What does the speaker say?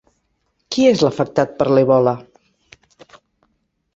Qui és l'afectat per l'Ebola?